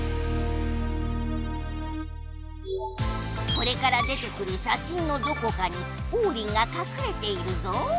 これから出てくる写真のどこかにオウリンがかくれているぞ。